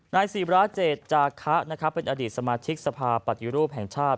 นายสีบลาเจศจาคะนะครับเป็นอดีตสมาธิกสภาปัตยุรูปแห่งชาติ